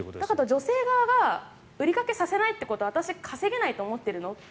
女性側が売りかけさせないというのは私、稼げないと思ってるの？って